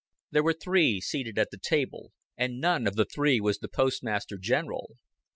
There were three seated at the table, and none of the three was the Postmaster General.